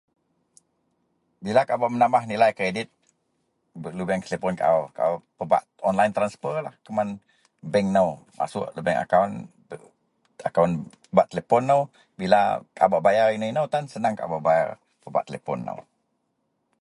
Bila kau bak menamah nilai kredit lubeng telepon kaau kaau pebak online transfer lah kuman bank nou masok lubeng akawon akawon bak telepon nou bila kaau bak bayar ino-ino seneng kaau bak bayar pebak telepon nou.